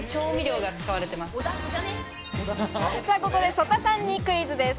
曽田さんにクイズです。